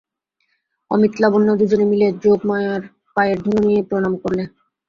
অমিত লাবণ্য দুজনে মিলে যোগমায়ার পায়ের ধুলো নিয়ে প্রণাম করলে।